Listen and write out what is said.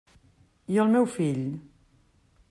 I el meu fill?